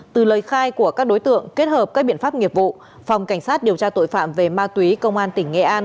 từ lời khai của các đối tượng kết hợp các biện pháp nghiệp vụ phòng cảnh sát điều tra tội phạm về ma túy công an tỉnh nghệ an